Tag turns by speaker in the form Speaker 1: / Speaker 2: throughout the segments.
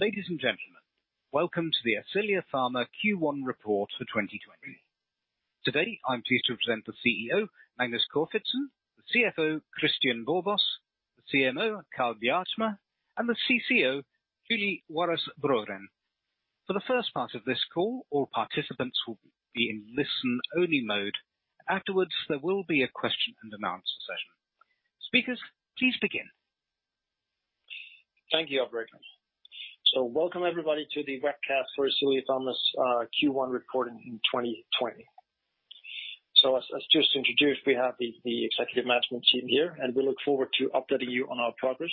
Speaker 1: Ladies and gentlemen, welcome to the Ascelia Pharma Q1 report for 2020. Today, I'm pleased to present the CEO, Magnus Corfitzen, the CFO, Kristian Borbos, the CMO, Carl Bjartmar, and the CCO, Julie Waras Brogren. For the first part of this call, all participants will be in listen-only mode. Afterwards, there will be a question and answer session. Speakers, please begin.
Speaker 2: Thank you, operator. Welcome everybody to the webcast for Ascelia Pharma's Q1 report in 2020. As just introduced, we have the executive management team here, and we look forward to updating you on our progress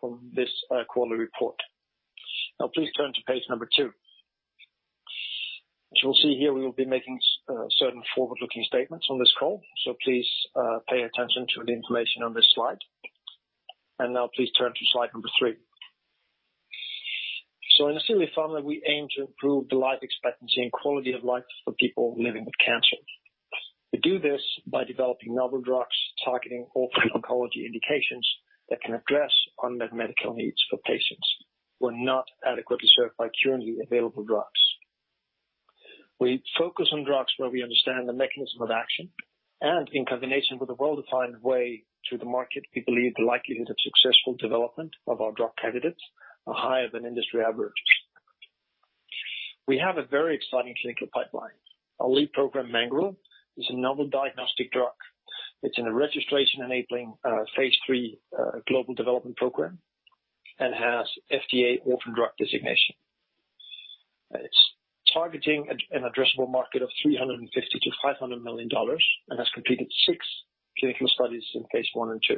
Speaker 2: from this quarterly report. Now please turn to page number two. As you will see here, we will be making certain forward-looking statements on this call, so please pay attention to the information on this slide. Now please turn to slide number three. In Ascelia Pharma, we aim to improve the life expectancy and quality of life for people living with cancer. We do this by developing novel drugs targeting orphan oncology indications that can address unmet medical needs for patients who are not adequately served by currently available drugs. We focus on drugs where we understand the mechanism of action, and in combination with a well-defined way to the market, we believe the likelihood of successful development of our drug candidates are higher than industry average. We have a very exciting clinical pipeline. Our lead program, Mangoral, is a novel diagnostic drug. It's in a registration-enabling phase III global development program and has FDA orphan drug designation. It's targeting an addressable market of $350 million-$500 million and has completed six clinical studies in phase I and II.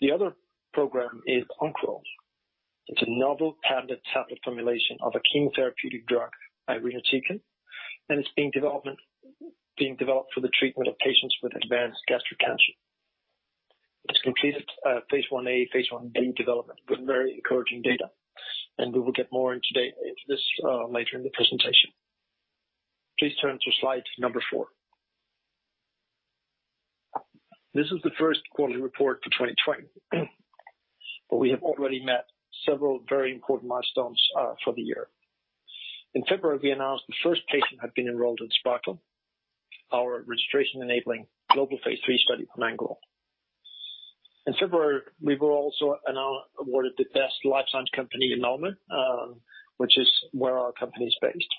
Speaker 2: The other program is Oncoral. It's a novel patented tablet formulation of a chemotherapeutic drug, irinotecan. It's being developed for the treatment of patients with advanced gastric cancer. It's completed phase I-A, phase I-B development with very encouraging data. We will get more into this later in the presentation. Please turn to slide number four. This is the first quarterly report for 2020, but we have already met several very important milestones for the year. In February, we announced the first patient had been enrolled in SPARKLE, our registration-enabling global phase III study for Mangoral. In February, we were also awarded the Best Life Science Company in Malmö, which is where our company is based.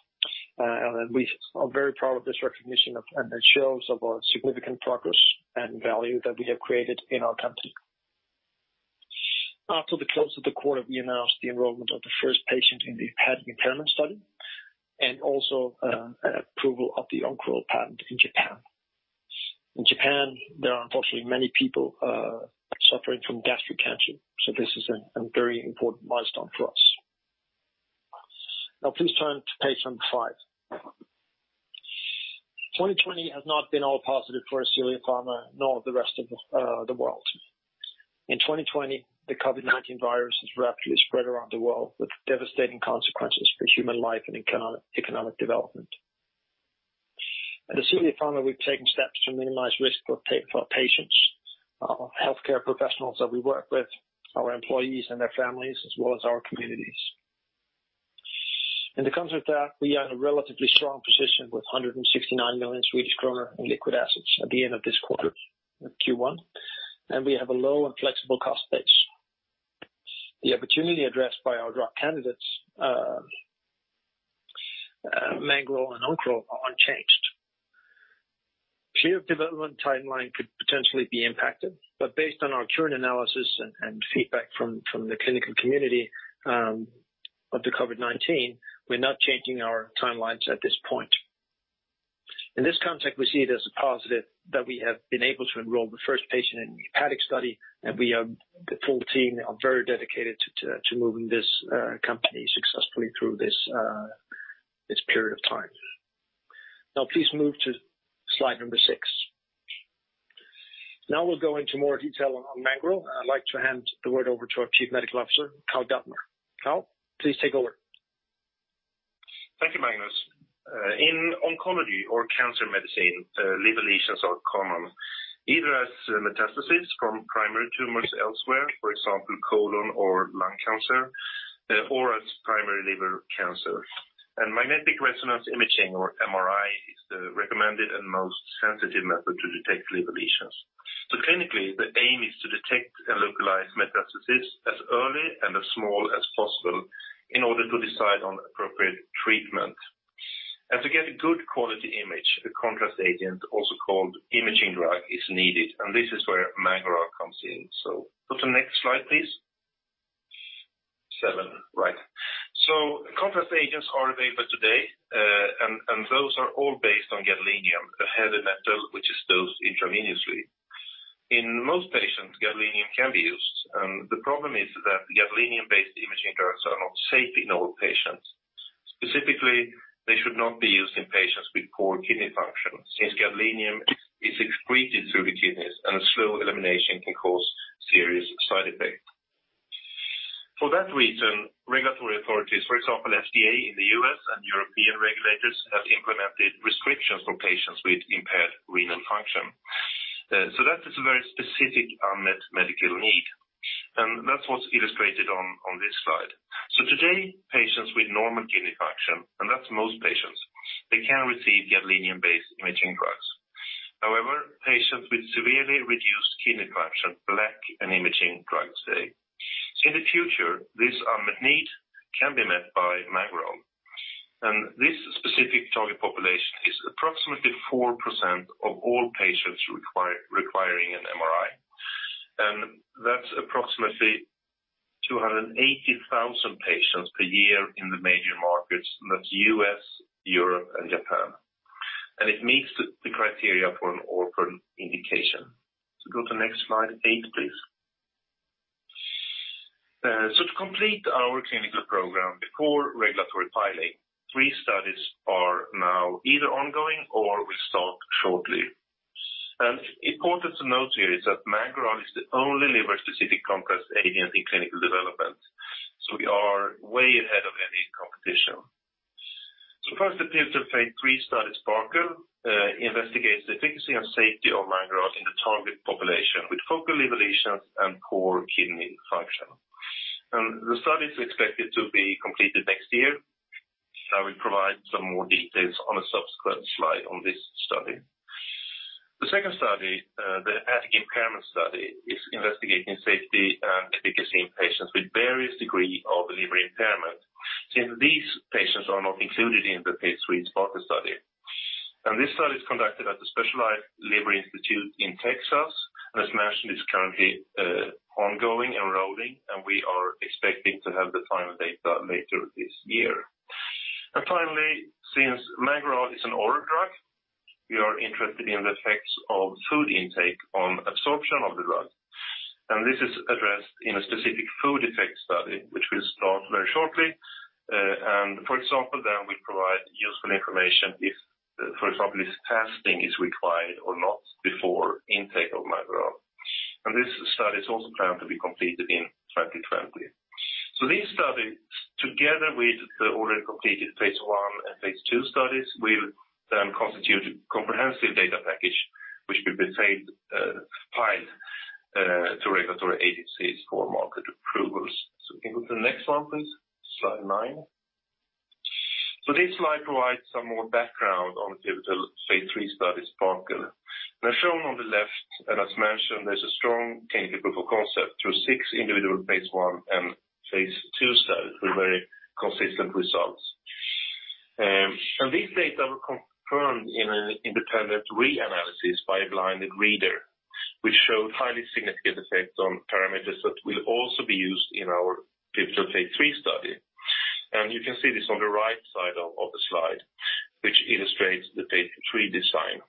Speaker 2: We are very proud of this recognition, and it shows of our significant progress and value that we have created in our company. After the close of the quarter, we announced the enrollment of the first patient in the hepatic impairment study and also approval of the Oncoral patent in Japan. In Japan, there are unfortunately many people suffering from gastric cancer, so this is a very important milestone for us. Now please turn to page number five. 2020 has not been all positive for Ascelia Pharma nor the rest of the world. In 2020, the COVID-19 virus has rapidly spread around the world with devastating consequences for human life and economic development. At Ascelia Pharma, we've taken steps to minimize risk for our patients, our healthcare professionals that we work with, our employees and their families, as well as our communities. In the context of that, we are in a relatively strong position with 169 million Swedish kronor in liquid assets at the end of this quarter, Q1, and we have a low and flexible cost base. The opportunity addressed by our drug candidates, Mangoral and Oncoral, are unchanged. Based on our current analysis and feedback from the clinical community of the COVID-19, we're not changing our timelines at this point. In this context, we see it as a positive that we have been able to enroll the first patient in the hepatic study, and the full team are very dedicated to moving this company successfully through this period of time. Now please move to slide number six. Now we'll go into more detail on Mangoral. I'd like to hand the word over to our Chief Medical Officer, Carl Bjartmar. Carl, please take over.
Speaker 3: Thank you, Magnus. In oncology or cancer medicine, liver lesions are common, either as metastasis from primary tumors elsewhere, for example, colon or lung cancer, or as primary liver cancer. Magnetic resonance imaging or MRI is the recommended and most sensitive method to detect liver lesions. Clinically, the aim is to detect and localize metastasis as early and as small as possible in order to decide on appropriate treatment. To get a good quality image, a contrast agent, also called imaging drug, is needed, and this is where Mangoral comes in. Go to the next slide, please. Seven, right. Contrast agents are available today, and those are all based on gadolinium, a heavy metal which is dosed intravenously. In most patients, gadolinium can be used, and the problem is that gadolinium-based imaging drugs are not safe in all patients. Specifically, they should not be used in patients with poor kidney function since gadolinium is excreted through the kidneys and a slow elimination can cause serious side effects. Regulatory authorities, for example, FDA in the U.S. and European regulators, have implemented restrictions for patients with impaired renal function. That is a very specific unmet medical need, and that's what's illustrated on this slide. Today, patients with normal kidney function, and that's most patients, they can receive gadolinium-based imaging drugs. However, patients with severely reduced kidney function lack an imaging drug today. In the future, this unmet need can be met by Mangoral, and this specific target population is approximately 4% of all patients requiring an MRI. That's approximately 280,000 patients per year in the major markets, and that's U.S., Europe, and Japan. It meets the criteria for an orphan indication. Go to next slide eight, please. To complete our clinical program before regulatory filing, three studies are now either ongoing or will start shortly. Important to note here is that Mangoral is the only liver-specific contrast agent in clinical development. We are way ahead of any competition. First, the pivotal phase III study, SPARKLE, investigates the efficacy and safety of Mangoral in the target population with focal liver lesions and poor kidney function. The study is expected to be completed next year. I will provide some more details on a subsequent slide on this study. The second study, the hepatic impairment study, is investigating safety and efficacy in patients with various degree of liver impairment since these patients are not included in the phase III SPARKLE study. This study is conducted at the specialized liver institute in Texas, as mentioned, is currently ongoing, enrolling, and we are expecting to have the final data later this year. Finally, since Mangoral is an oral drug, we are interested in the effects of food intake on absorption of the drug. This is addressed in a specific food effects study, which will start very shortly. For example, then we provide useful information if, for example, this testing is required or not before intake of Mangoral. This study is also planned to be completed in 2020. These studies, together with the already completed phase I and phase II studies, will then constitute a comprehensive data package, which will be filed to regulatory agencies for market approvals. Can we go to the next one, please? Slide 9. This slide provides some more background on the pivotal phase III study, SPARKLE. Shown on the left, and as mentioned, there's a strong clinical proof of concept through six individual phase I and phase II studies with very consistent results. This data were confirmed in an independent re-analysis by a blinded reader, which showed highly significant effects on parameters that will also be used in our pivotal phase III study. You can see this on the right side of the slide, which illustrates the phase III design.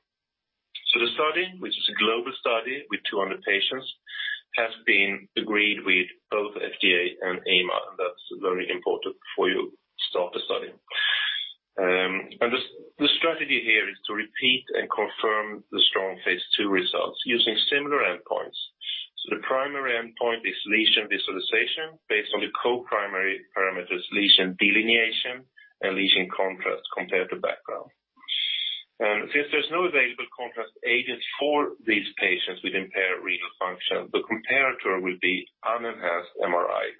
Speaker 3: The study, which is a global study with 200 patients, has been agreed with both FDA and EMA, and that's very important before you start the study. The strategy here is to repeat and confirm the strong phase II results using similar endpoints. The primary endpoint is lesion visualization based on the co-primary parameters lesion delineation and lesion contrast compared to background. Since there's no available contrast agents for these patients with impaired renal function, the comparator will be unenhanced MRI,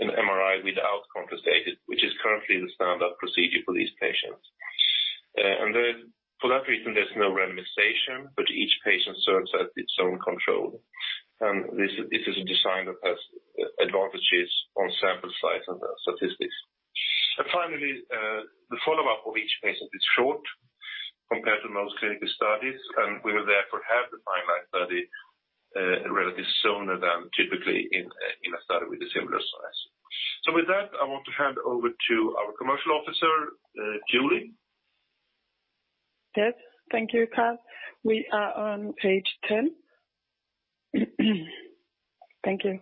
Speaker 3: an MRI without contrast agent, which is currently the standard procedure for these patients. For that reason, there's no randomization, but each patient serves as its own control. This is a design that has advantages on sample size and statistics. Finally, the follow-up of each patient is short compared to most clinical studies, and we will therefore have the final study relatively sooner than typically in a study with a similar size. With that, I want to hand over to our Chief Commercial Officer, Julie.
Speaker 4: Yes. Thank you, Carl. We are on page 10. Thank you.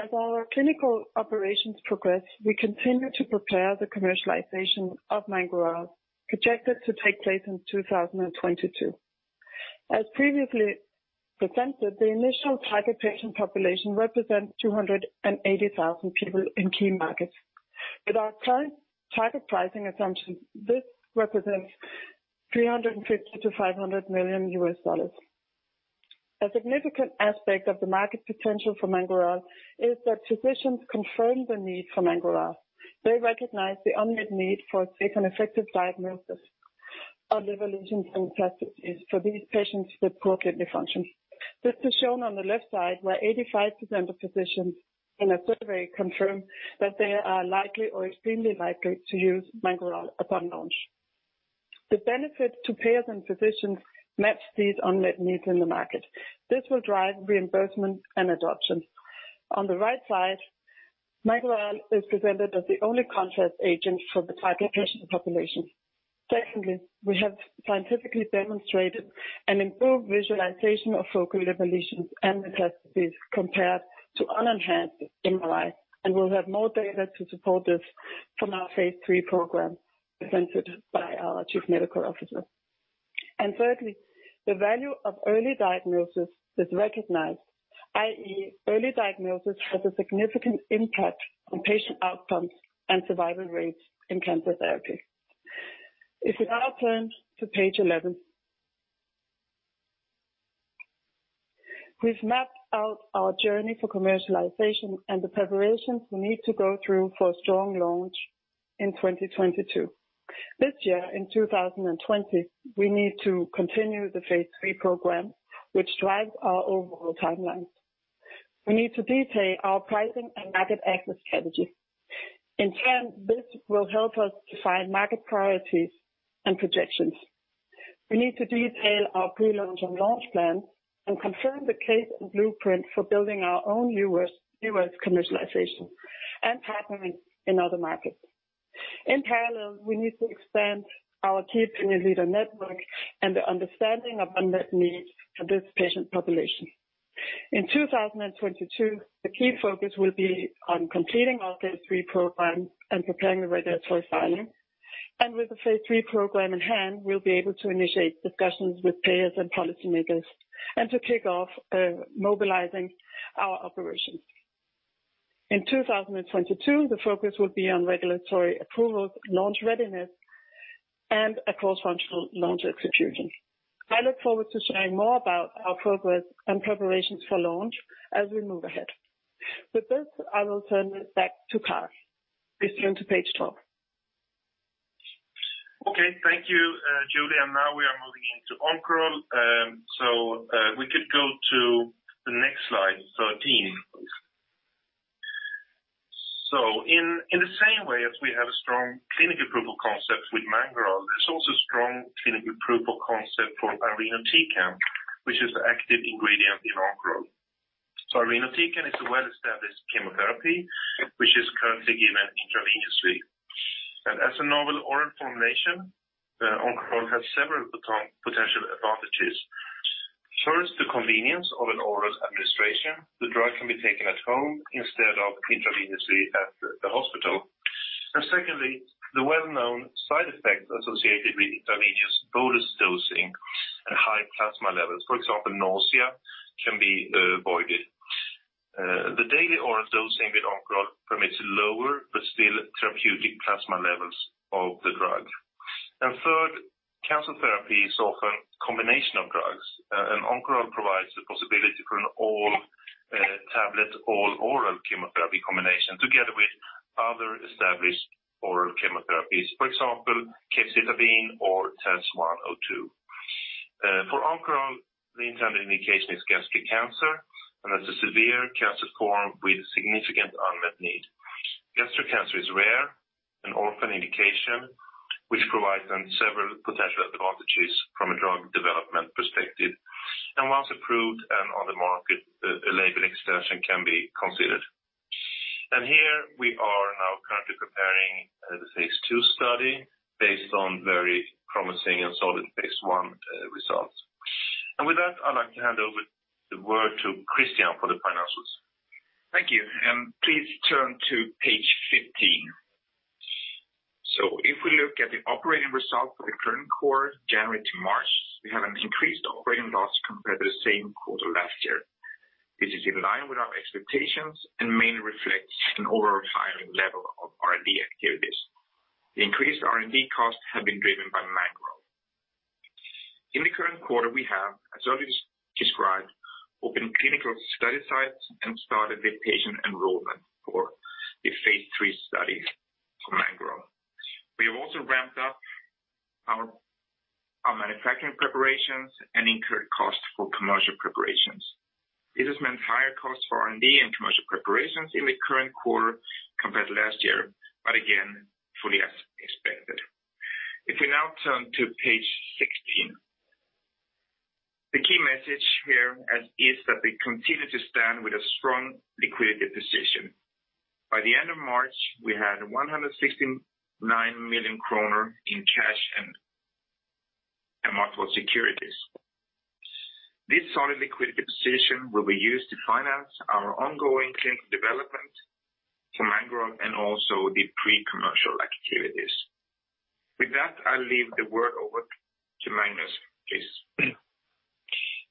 Speaker 4: As our clinical operations progress, we continue to prepare the commercialization of Mangoral, projected to take place in 2022. As previously presented, the initial target patient population represents 280,000 people in key markets. With our current target pricing assumptions, this represents $350 million-$500 million. A significant aspect of the market potential for Mangoral is that physicians confirm the need for Mangoral. They recognize the unmet need for a safe and effective diagnosis of liver lesions and metastases for these patients with poor kidney function. This is shown on the left side, where 85% of physicians in a survey confirm that they are likely or extremely likely to use Mangoral upon launch. The benefits to payers and physicians match this unmet need in the market. This will drive reimbursement and adoption. On the right side, Mangoral is presented as the only contrast agent for the target patient population. Secondly, we have scientifically demonstrated an improved visualization of focal liver lesions and metastases compared to unenhanced MRI. We'll have more data to support this from our phase III program presented by our Chief Medical Officer. Thirdly, the value of early diagnosis is recognized, i.e., early diagnosis has a significant impact on patient outcomes and survival rates in cancer therapy. If we now turn to page 11. We've mapped out our journey for commercialization and the preparations we need to go through for a strong launch in 2022. This year, in 2020, we need to continue the phase III program, which drives our overall timelines. We need to detail our pricing and market access strategy. In turn, this will help us to find market priorities and projections. We need to detail our pre-launch and launch plan and confirm the case and blueprint for building our own U.S. commercialization and partnering in other markets. In parallel, we need to expand our key opinion leader network and the understanding of unmet needs for this patient population. In 2022, the key focus will be on completing our phase III program and preparing the regulatory filing. With the phase III program in hand, we'll be able to initiate discussions with payers and policymakers, and to kick off mobilizing our operations. In 2022, the focus will be on regulatory approvals, launch readiness, and a cross-functional launch execution. I look forward to sharing more about our progress and preparations for launch as we move ahead. With this, I will turn it back to Carl. Please turn to page 12.
Speaker 3: Okay. Thank you, Julie. Now we are moving into Oncoral. We could go to the next slide, 13, please. In the same way as we have a strong clinical proof of concept with Mangoral, there's also strong clinical proof of concept for irinotecan, which is the active ingredient in Oncoral. Irinotecan is a well-established chemotherapy, which is currently given intravenously. As a novel oral formulation, Oncoral has several potential advantages. First, the convenience of an oral administration. The drug can be taken at home instead of intravenously at the hospital. Secondly, the well-known side effects associated with intravenous bolus dosing and high plasma levels. For example, nausea can be avoided. The daily oral dosing with Oncoral permits lower but still therapeutic plasma levels of the drug. Third, cancer therapy is often a combination of drugs, Oncoral provides the possibility for an all-tablet, all-oral chemotherapy combination together with other established oral chemotherapies. For example, capecitabine or TAS-102. For Oncoral, the intended indication is gastric cancer, and that's a severe cancer form with significant unmet need. Gastric cancer is rare, an orphan indication, which provides then several potential advantages from a drug development perspective. Once approved and on the market, a label extension can be considered. Here we are now currently preparing the phase II study based on very promising and solid phase I results. With that, I'd like to hand over the word to Kristian for the financials.
Speaker 5: Thank you. Please turn to page 15. If we look at the operating results for the current quarter, January to March, we have an increased operating loss compared to the same quarter last year. This is in line with our expectations and mainly reflects an overall higher level of R&D activities. The increased R&D costs have been driven by Mangoral. In the current quarter, we have, as already described, opened clinical study sites and started the patient enrollment for the phase III study for Mangoral. We have also ramped up our manufacturing preparations and incurred costs for commercial preparations. This has meant higher costs for R&D and commercial preparations in the current quarter compared to last year, but again, fully as expected. If we now turn to page 16. The key message here is that we continue to stand with a strong liquidity position. By the end of March, we had 169 million kronor in cash and marketable securities. This solid liquidity position will be used to finance our ongoing clinical development for Mangoral and also the pre-commercial activities. With that, I'll leave the word over to Magnus, please.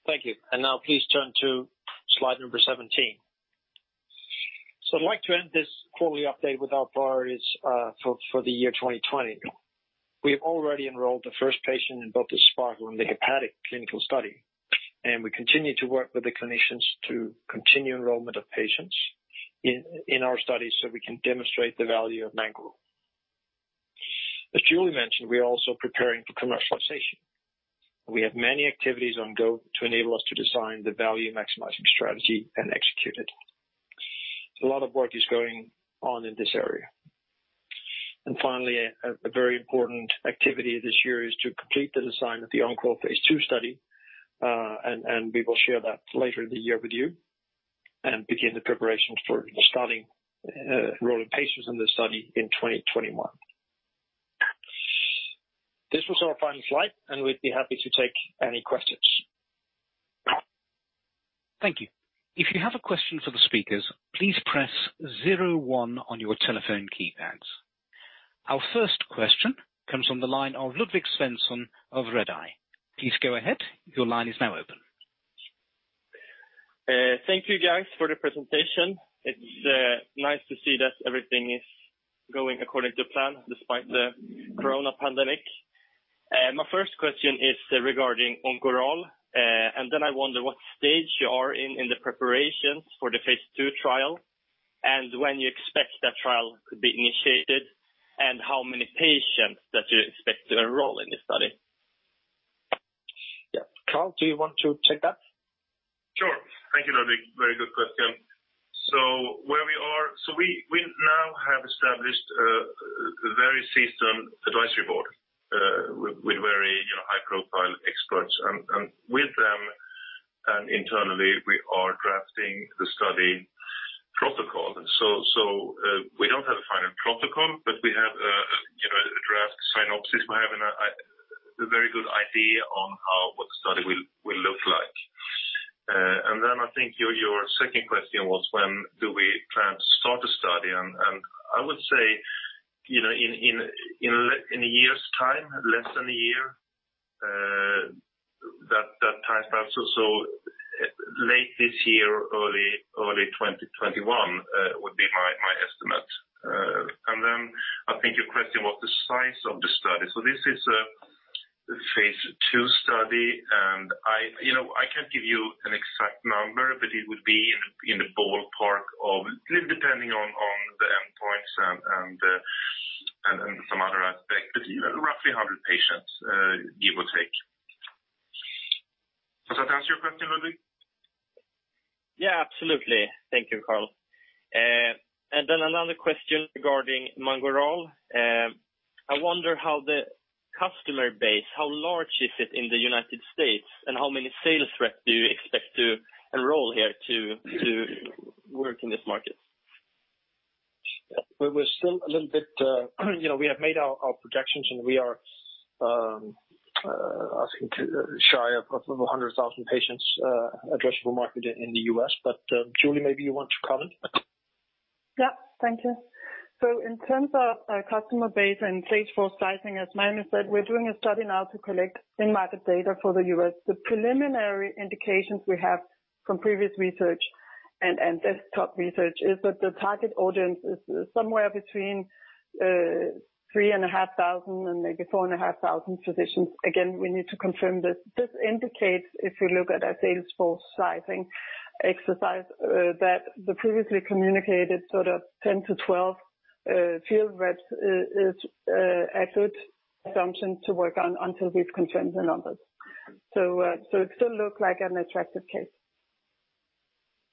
Speaker 2: Thank you. Now please turn to slide number 17. I'd like to end this quarterly update with our priorities for the year 2020. We have already enrolled the first patient in both the SPARKLE and the hepatic clinical study, and we continue to work with the clinicians to continue enrollment of patients in our studies so we can demonstrate the value of Mangoral. As Julie mentioned, we are also preparing for commercialization. We have many activities ongoing to enable us to design the value-maximizing strategy and execute it. A lot of work is going on in this area. Finally, a very important activity this year is to complete the design of the Oncoral phase II study, and we will share that later in the year with you and begin the preparations for starting enrolling patients in the study in 2021. This was our final slide, and we'd be happy to take any questions.
Speaker 1: Thank you. If you have a question for the speakers, please press zero one on your telephone keypads. Our first question comes on the line of Ludvig Svensson of Redeye. Please go ahead. Your line is now open.
Speaker 6: Thank you guys for the presentation. It's nice to see that everything is going according to plan despite the COVID pandemic. My first question is regarding Mangoral. I wonder what stage you are in in the preparations for the phase II trial, and when you expect that trial to be initiated, and how many patients that you expect to enroll in this study?
Speaker 2: Yeah. Carl, do you want to take that?
Speaker 3: Sure. Thank you, Ludvig. Very good question. Where we are, so we now have established a very seasoned advisory board with very high-profile experts, and with them, and internally, we are drafting the study protocol. We don't have a final protocol, but we have a draft synopsis. We have a very good idea on what the study will look like. I think your second question was when do we plan to start the study? I would say, in a year's time, less than a year, that timeframe. Late this year or early 2021 would be my estimate. I think your question was the size of the study. This is a phase II study, and I can't give you an exact number, but it would be in the ballpark of, depending on the endpoints and some other aspects, but roughly 100 patients, give or take. Does that answer your question, Ludvig?
Speaker 6: Yeah, absolutely. Thank you, Carl. Another question regarding Mangoral. I wonder how the customer base, how large is it in the U.S., and how many sales reps do you expect to enroll here to work in this market?
Speaker 2: We have made our projections, and we are asking shy of 100,000 patients addressable market in the U.S. Julie, maybe you want to comment.
Speaker 4: Yeah. Thank you. In terms of our customer base and sales force sizing, as Magnus said, we're doing a study now to collect in-market data for the U.S. The preliminary indications we have from previous research and desktop research is that the target audience is somewhere between 3,500 and maybe 4,500 physicians. Again, we need to confirm this. This indicates, if you look at a sales force sizing exercise, that the previously communicated sort of 10-12 field reps is a good assumption to work on until we've confirmed the numbers. It still looks like an attractive case.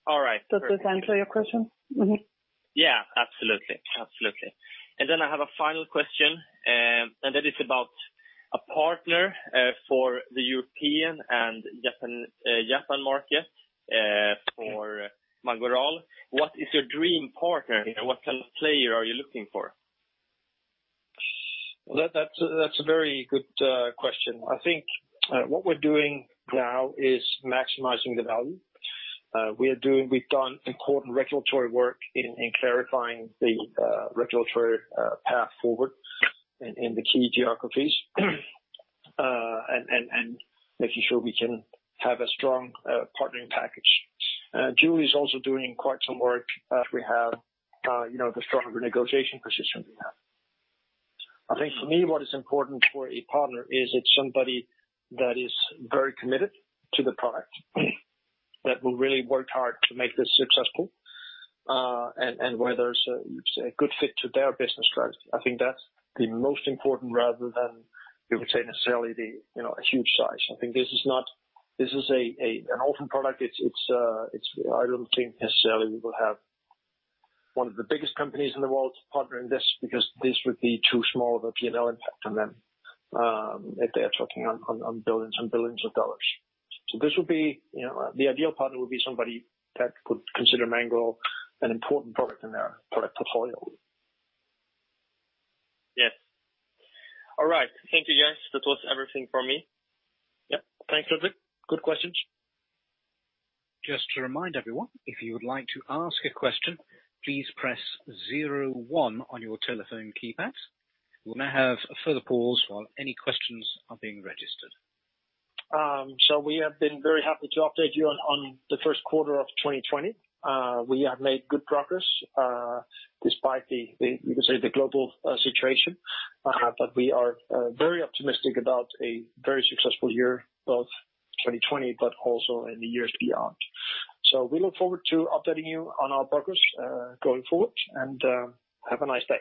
Speaker 6: All right.
Speaker 4: Does this answer your question? Mm-hmm.
Speaker 6: Yeah, absolutely. I have a final question, and that is about a partner for the European and Japan market for Mangoral. What is your dream partner? What kind of player are you looking for?
Speaker 2: That's a very good question. I think what we're doing now is maximizing the value. We've done important regulatory work in clarifying the regulatory path forward in the key geographies and making sure we can have a strong partnering package. Julie is also doing quite some work as we have the stronger negotiation position we have. I think for me, what is important for a partner is it's somebody that is very committed to the product, that will really work hard to make this successful, and where there's a good fit to their business strategy. I think that's the most important rather than you would say necessarily the huge size. I think this is an orphan product. I don't think necessarily we will have one of the biggest companies in the world partnering this because this would be too small of a P&L impact on them if they are talking on billions and billions of dollars. The ideal partner would be somebody that would consider Mangoral an important product in their product portfolio.
Speaker 6: Yes. All right. Thank you, guys. That was everything from me.
Speaker 2: Yeah. Thanks, Ludvig. Good questions.
Speaker 1: Just to remind everyone, if you would like to ask a question, please press zero one on your telephone keypad. We'll now have a further pause while any questions are being registered.
Speaker 2: We have been very happy to update you on the first quarter of 2020. We have made good progress despite the, you could say the global situation, but we are very optimistic about a very successful year, both 2020 but also in the years beyond. We look forward to updating you on our progress going forward, and have a nice day.